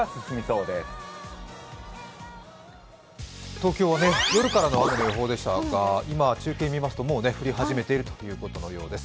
東京は夜からの雨の予報でしたが、今、中継見ますともう降り始めてるとのことです。